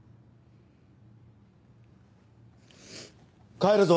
帰るぞ！